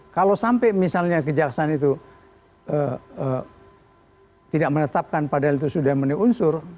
kalau sampai misalnya kejahatan itu tidak menetapkan padahal itu sudah meniunsur